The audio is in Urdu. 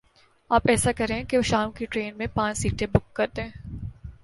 آپ ایسا کریں کے شام کی ٹرین میں پانچھ سیٹیں بک کر دیں۔